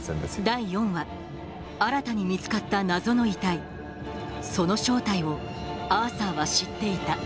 第４話新たに見つかった謎の遺体その正体をアーサーは知っていた